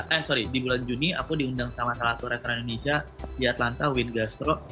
eh sorry di bulan juni aku diundang sama salah satu restoran indonesia di atlanta with gastro